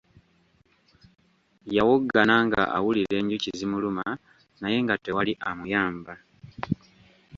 Yawoggana nga awulira enjuki zimuluma naye nga tewali amuyamba.